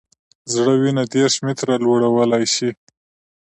زړه وینه دېرش متره لوړولی شي.